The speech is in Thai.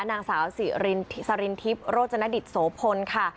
นางสาวสิริสรินทิพย์โรจนดิตโสพลค่ะ